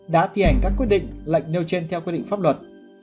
đã thi hành các quyết định lệnh nêu trên theo quy định pháp luật